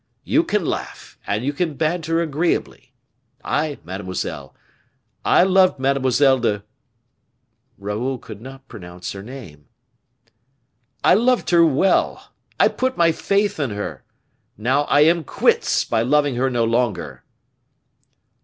You can laugh, and you can banter agreeably. I, mademoiselle, I loved Mademoiselle de " Raoul could not pronounce her name, "I loved her well! I put my faith in her now I am quits by loving her no longer."